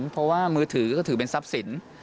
เพราะว่ามือถือก็ถือเป็นทรัพย์สิน